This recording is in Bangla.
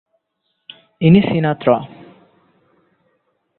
ইনি সিনাত্রা!